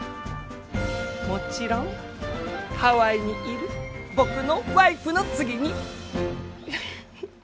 もちろんハワイにいる僕のワイフの次に！